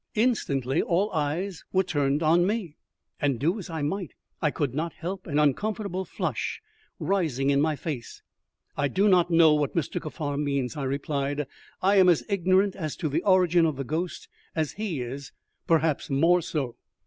Instantly all eyes were turned on me, and, do as I might, I could not help an uncomfortable flush rising in my face. "I do not know what Mr. Kaffar means," I replied. "I am as ignorant as to the origin of the ghost as he is, perhaps more so."